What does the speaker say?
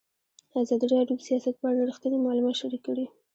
ازادي راډیو د سیاست په اړه رښتیني معلومات شریک کړي.